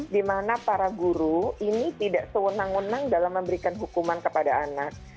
di mana para guru ini tidak sewenang wenang dalam memberikan hukuman kepada anak